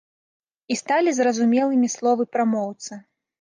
І сталі зразумелымі словы прамоўцы.